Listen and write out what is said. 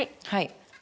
はい。